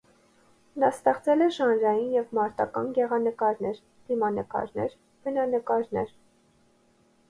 Նա ստեղծել է ժանրային և մարտական գեղանկարներ, դիմանկարներ, բնանկարներ։